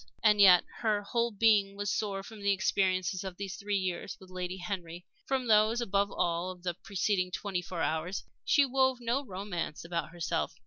And yet her whole being was sore from the experiences of these three years with Lady Henry from those, above all, of the preceding twenty four hours. She wove no romance about herself.